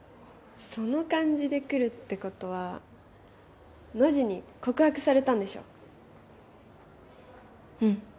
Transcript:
その感じで来るってことはノジに告白されたんでしょうん